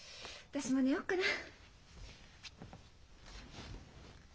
私も寝よっかな。